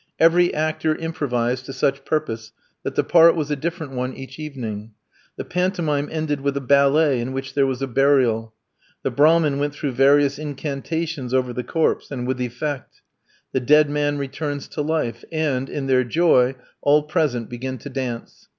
Every actor improvised to such purpose that the part was a different one each evening. The pantomime ended with a ballet, in which there was a burial. The Brahmin went through various incantations over the corpse, and with effect. The dead man returns to life, and, in their joy, all present begin to dance.